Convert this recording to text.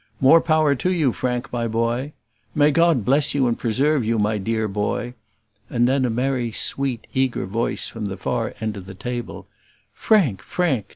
"More power to you, Frank, my boy!" "May God bless you and preserve you, my dear boy!" and then a merry, sweet, eager voice from the far end of the table, "Frank! Frank!